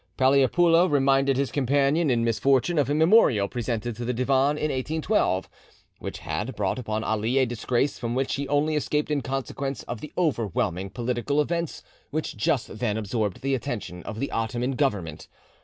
Paleopoulo reminded his companion in misfortune of a memorial presented to the Divan in 1812, which had brought upon Ali a disgrace from which he only escaped in consequence of the overwhelming political events which just then absorbed the attention of the Ottoman Government.